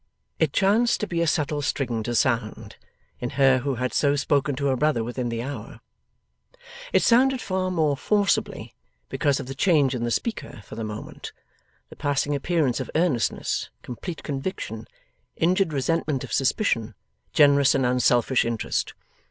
It chanced to be a subtle string to sound, in her who had so spoken to her brother within the hour. It sounded far more forcibly, because of the change in the speaker for the moment; the passing appearance of earnestness, complete conviction, injured resentment of suspicion, generous and unselfish interest.